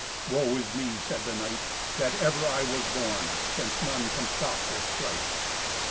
"Woe is me," said the knight, "that ever I was born, since none can stop this strife!